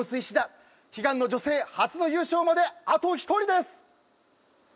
石田悲願の女性初の優勝まであと１人です！